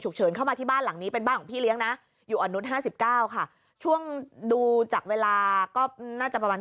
เฉินเข้ามาที่บ้านหลังนี้เป็นบ้านของพี่เลี้ยงนะอยู่อ่อนนุษย์๕๙ค่ะช่วงดูจากเวลาก็น่าจะประมาณ